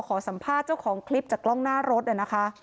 ขอสัมภาษณ์เจ้าของคลิปจากกล้องหน้ารถนะคะ